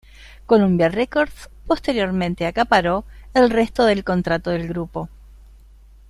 Columbia Records posteriormente acaparó el resto del contrato del grupo.